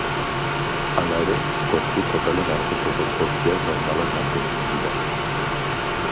Hala ere, gorputz atalen arteko proportzioak normalak mantentzen dira.